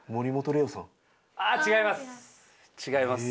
あっ違います。